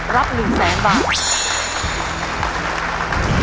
รับหนึ่งแสนบาท